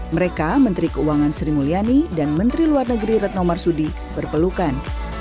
mereka menteri keuangan sri mulyani dan menteri luar negeri retno marsudi berpelukan